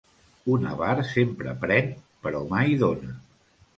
Un avar sempre pren però mai dóna.